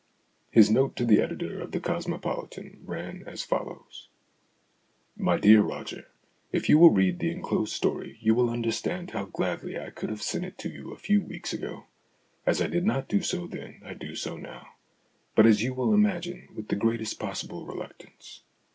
His note to the editor of The Cosmopolitan ran as follows : "MY DEAR ROGER, If you will read the enclosed story, you will understand how gladly I could have sent it to you a few weeks ago. As I did not do so then, I do so now but, as you will imagine, with the greatest possible reluctance.